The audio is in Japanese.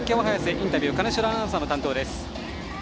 インタビューは金城アナウンサーの担当です。